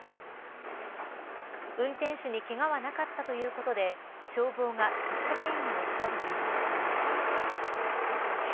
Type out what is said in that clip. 運転手にけがはなかったということで消防が出火原因を調べています。